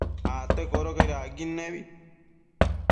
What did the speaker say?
Acte codocaid acquid nebi